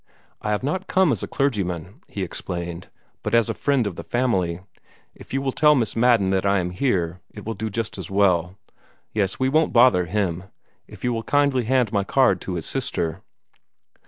"I have not come as a clergyman," he explained, "but as a friend of the family. If you will tell Miss Madden that I am here, it will do just as well. Yes, we won't bother him. If you will kindly hand my card to his sister."